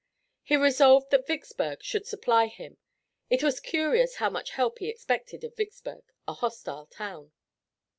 He resolved that Vicksburg should supply him. It was curious how much help he expected of Vicksburg, a hostile town.